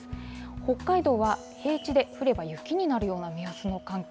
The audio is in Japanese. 北海道は平地で降れば雪になるような目安の寒気。